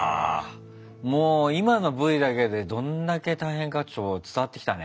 もう今のＶだけでどんだけ大変か伝わってきたね。